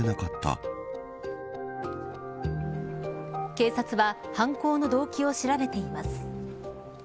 警察は犯行の動機を調べています。